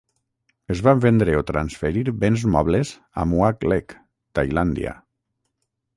Es van vendre o transferir béns mobles a Muak Lek, Tailàndia.